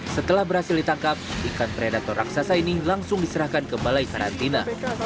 setelah berhasil ditangkap ikan predator raksasa ini langsung diserahkan ke balai karantina